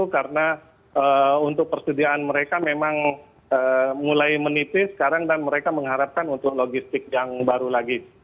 karena untuk persediaan mereka memang mulai menipis sekarang dan mereka mengharapkan untuk logistik yang baru lagi